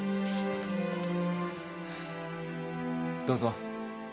どうぞ。